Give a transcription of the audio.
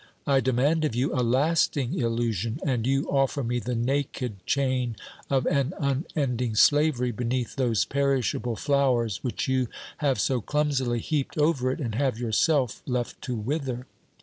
I demand of you a lasting illusion, and you offer me the naked chain of an unending slavery beneath those perishable flowers which you have so clumsily heaped over it, and have yourself left to wither.